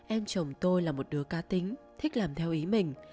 em chồng tôi là một đứa cá tính thích làm theo ý mình